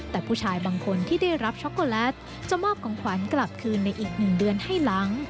แต่ผู้ชายบางคนที่ได้รับช็อกโกแลตจะมอบของขวัญกลับคืนในอีก๑เดือนให้หลัง